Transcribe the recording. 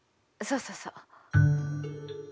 そうそうそう。